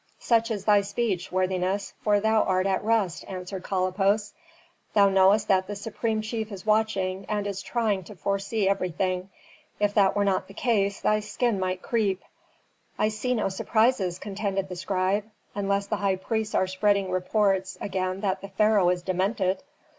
"Such is thy speech, worthiness, for thou art at rest," answered Kalippos; "thou knowest that the supreme chief is watching and is trying to foresee everything; if that were not the case thy skin might creep." "I see no surprises," contended the scribe, "unless the high priests are spreading reports again that the pharaoh is demented."